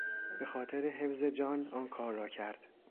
به خاطر حفظ جان آن کار را کرد.